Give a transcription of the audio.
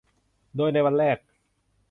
โดยในวันแรก